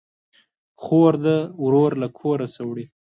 خور ده ورور له کوره سه وړي